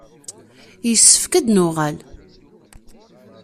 Yessefk ad d-nuɣal.